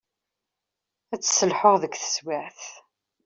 Ad tt-sselḥuɣ deg teswiεt.